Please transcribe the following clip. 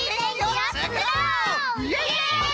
イエイ！